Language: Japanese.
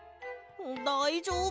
だいじょうぶ？